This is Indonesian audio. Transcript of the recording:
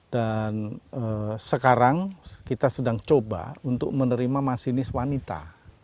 dan sekarang kita sedang coba untuk menerima masinis wanita